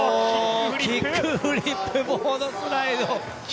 キックフリップボードスライド！